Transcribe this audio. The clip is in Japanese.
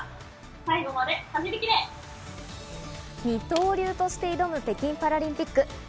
二刀流として挑む北京パラリンピック。